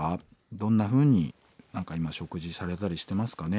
どんなふうに何か今食事されたりしてますかね？